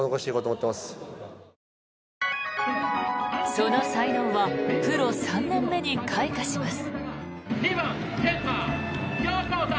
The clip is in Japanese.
その才能はプロ３年目に開花します。